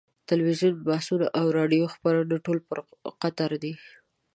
تلویزیوني بحثونه او راډیویي خبرونه ټول پر قطر دي.